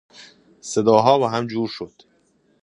صداها با هم جور شد.